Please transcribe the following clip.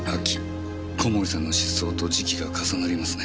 小森さんの失踪と時期が重なりますね。